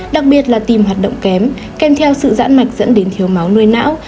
đặc biệt là tim hoạt động kém kèm theo sự dãn mạch dẫn đến thiếu máu nuôi não